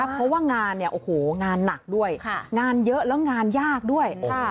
เพราะว่างานเนี่ยโอ้โหงานหนักด้วยงานเยอะแล้วงานยากด้วย